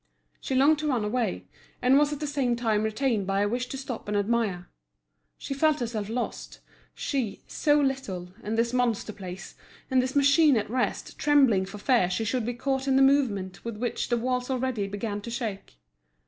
She longed to run away, and was at the same time retained by a wish to stop and admire. She felt herself lost, she, so little, in this monster place, in this machine at rest, trembling for fear she should be caught in the movement with which the walls already began to shake.